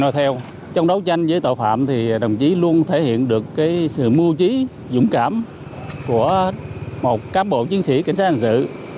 trong đấu tranh với tội phạm đồng chí luôn thể hiện được sự mưu trí dũng cảm của một cán bộ chiến sĩ cảnh sát hành sự